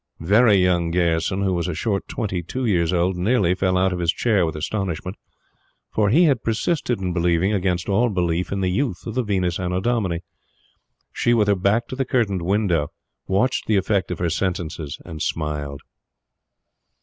"Very Young" Gayerson, who was a short twenty two years old, nearly fell out of his chair with astonishment; for he had persisted in believing, against all belief, in the youth of the Venus Annodomini. She, with her back to the curtained window, watched the effect of her sentences and smiled.